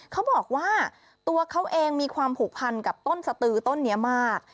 เขาบอกว่าตัวเขาเองมีความผูกพันกับต้นสตือต้นนี้มาก